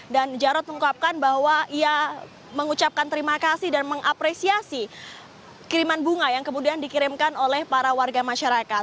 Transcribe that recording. jarod mengucapkan bahwa ia mengucapkan terima kasih dan mengapresiasi kiriman bunga yang kemudian dikirimkan oleh para warga masyarakat